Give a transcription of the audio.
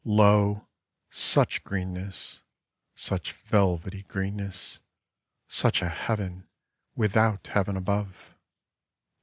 Lo, such greenness, such velvety greenness, such a heaven without heaven above